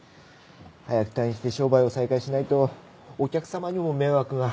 早く退院して商売を再開しないとお客様にも迷惑が。